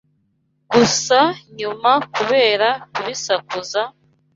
gusa nyuma kubera kubisakuza,